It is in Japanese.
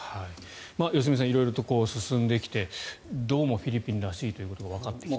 良純さん、色々と進んできてどうもフィリピンらしいということがわかってきた。